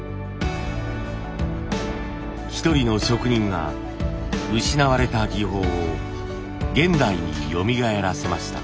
一人の職人が失われた技法を現代によみがえらせました。